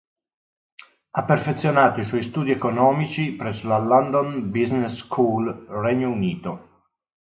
Ha perfezionato i suoi studi economici presso la London Business School, Regno Unito.